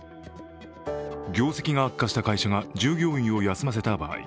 業績が悪化した会社が従業員を休ませた場合